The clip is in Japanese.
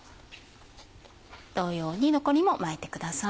同様に残りも巻いてください。